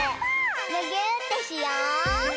むぎゅーってしよう！